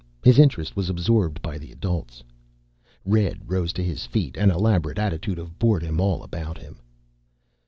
His interest was absorbed by the adults. Red rose to his feet; an elaborate attitude of boredom all about him.